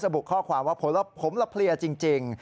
บุข้อความว่าผมละเพลียจริง